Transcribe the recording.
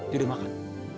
dia udah makan